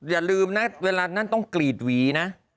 อย่าลืมนะเวลานั้นต้องกรีดหวีนะ